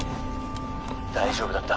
☎大丈夫だった？